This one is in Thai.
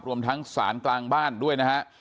รวมทั้งศาลกลางบ้านด้วยนะฮะ